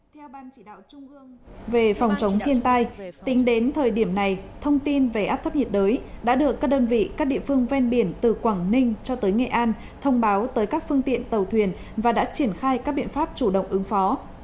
theo ban chỉ đạo trung ương về phòng chống thiên tai tính đến thời điểm này thông tin về áp thấp nhiệt đới đã được các đơn vị các địa phương ven biển từ quảng ninh cho tới nghệ an thông báo tới các phương tiện tàu thuyền và đã triển khai các biện pháp chủ động ứng phó